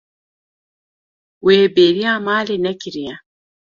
Wê bêriya malê nekiriye.